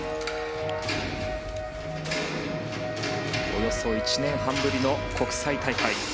およそ１年半ぶりの国際大会。